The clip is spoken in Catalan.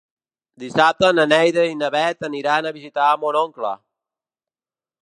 Dissabte na Neida i na Bet aniran a visitar mon oncle.